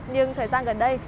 nhưng thời gian gần đây